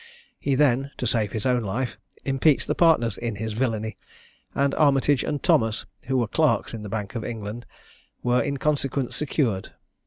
He then, to save his own life, impeached the partners in his villany, and Armitage and Thomas, who were clerks in the Bank of England, were in consequence secured.